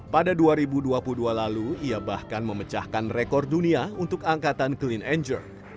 pada dua ribu dua puluh dua lalu ia bahkan memecahkan rekor dunia untuk angkatan clean and jerk